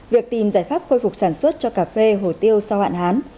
việc tìm giải pháp khôi phục sản xuất cho cà phê hồ tiêu sau hạn hán